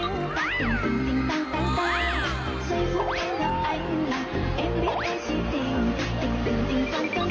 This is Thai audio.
คือดูดูสิคืออาจจะไม่ได้เต้นแบรนด์มาก